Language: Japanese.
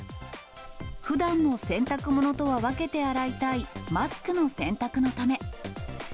ふだんの洗濯ものとは分けて洗いたいマスクの洗濯のため。